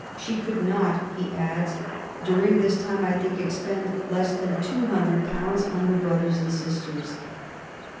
She could not/' he adds^ " during this time, I think^ expend less than £200 on her brothers and sisters."